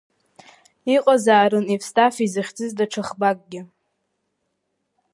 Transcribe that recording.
Иҟазаарын Евстафи захьӡыз даҽа ӷбакгьы.